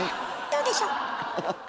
どうでしょう？